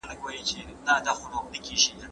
زه به سبا د کتابتون پاکوالی کوم؟!